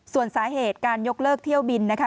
ส่วนสาเหตุการยกเลิกเที่ยวบินนะคะ